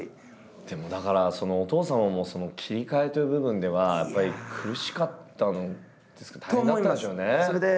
でもだからお父様もその切り替えという部分ではやっぱり苦しかったんですかね大変だったんでしょうね。と思います。